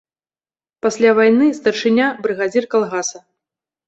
Пасля вайны старшыня, брыгадзір калгаса.